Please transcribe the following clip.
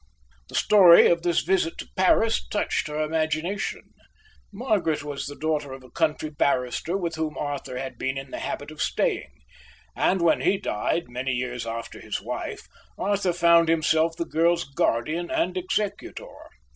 The story of this visit to Paris touched her imagination. Margaret was the daughter of a country barrister, with whom Arthur had been in the habit of staying; and when he died, many years after his wife, Arthur found himself the girl's guardian and executor.